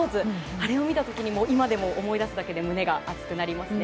あれを見た時に今でも思い出すだけで胸が熱くなりますね。